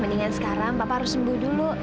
mendingan sekarang bapak harus sembuh dulu